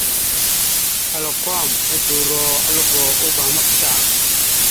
Klakom udoróalgo uvah maɓəsa.